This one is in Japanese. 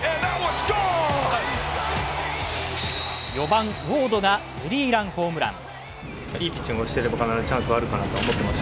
４番・ウォードがスリーランホームラン。